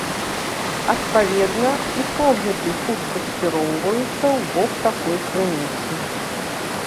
Адпаведна, і погляды хутка скіроўваюцца ў бок такой крыніцы.